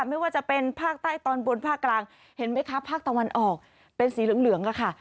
ไม่ว่าจะเป็นภาคใต้ตอนบนภาคกลางเห็นไหมคะภาคตะวันออกเป็นสีเหลืองค่ะ